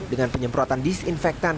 dengan penyemprotan disinfektan